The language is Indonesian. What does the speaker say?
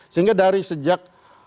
sehingga dari sejak